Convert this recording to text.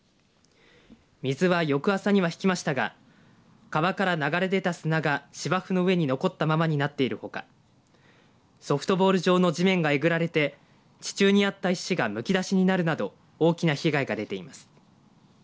水は翌朝には引きましたが川から流れ出た砂が芝生の上に残ったままになっているほかソフトボール場の地面がえぐられて地中にあった石がむき出しになるなど大きな被害が出ています。